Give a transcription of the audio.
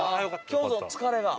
今日の疲れが。